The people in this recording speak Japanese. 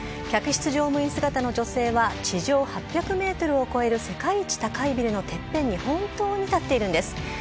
客室乗務員姿の女性は、地上８００メートルを超える世界一高いビルのてっぺんに本当に立っているんです。